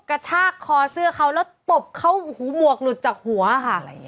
กระชากคอเสื้อเขาแล้วตบเขาหูหมวกหลุดจากหัวค่ะ